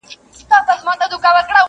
خوني ژرنده مو د ژوند ګرځي ملګرو,